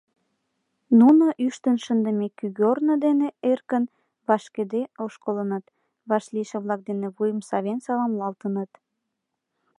Нуно ӱштын шындыме кӱгорно дене эркын, вашкыде ошкылыныт, вашлийше-влак дене вуйым савен саламлалтыныт.